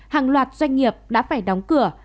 hàng loạt doanh nghiệp đã phải đóng cửa